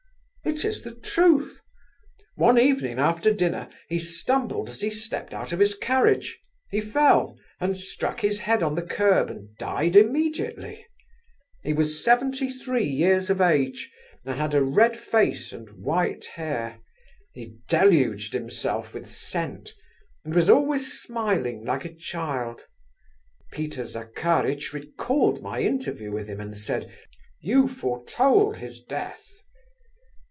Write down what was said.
"It is the truth. One evening after dinner he stumbled as he stepped out of his carriage. He fell, and struck his head on the curb, and died immediately. He was seventy three years of age, and had a red face, and white hair; he deluged himself with scent, and was always smiling like a child. Peter Zakkaritch recalled my interview with him, and said, '_you foretold his death.